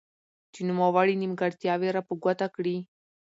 چې نوموړي نيمګړتياوي را په ګوته کړي.